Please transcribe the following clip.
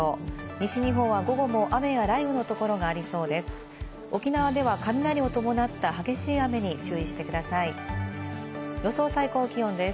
西日本は午後も雨や雷雨の所がありそうです。